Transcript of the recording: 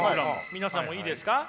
皆さんもいいですか？